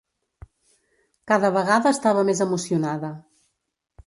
Cada vegada estava més emocionada.